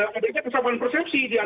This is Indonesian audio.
akhidat jangka panjang jangka pendek itu